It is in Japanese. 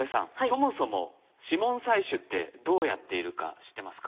そもそも指紋採取ってどうやっているか知ってますか？